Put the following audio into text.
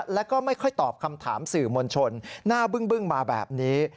แล้วก็ไม่ค่อยตอบคำถามสื่อมวลชนหน้าบึ้งมาแบบนี้